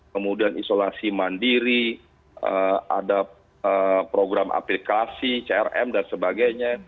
kemudian isolasi mandiri ada program aplikasi crm dan sebagainya